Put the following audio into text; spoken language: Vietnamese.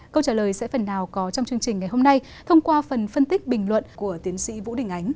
câu trả lời sẽ phần nào có trong chương trình ngày hôm nay thông qua phần phân tích bình luận của tiến sĩ vũ đình ánh